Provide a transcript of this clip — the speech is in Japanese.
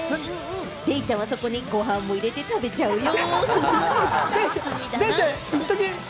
デイちゃんは、そこにご飯も入れて食べちゃうよ！